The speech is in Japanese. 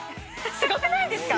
すごくないですか？